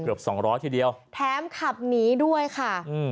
สองร้อยทีเดียวแถมขับหนีด้วยค่ะอืม